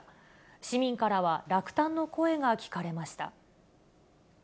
市民からは落胆の声が聞かれました。